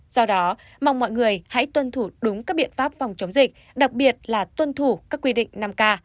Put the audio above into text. do đó mong mọi người hãy tuân thủ đúng các biện pháp phòng chống dịch đặc biệt là tuân thủ các quy định năm k